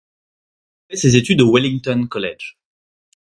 Il a fait ses études au Wellington College.